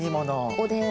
おでん。